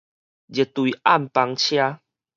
熱淚暗班車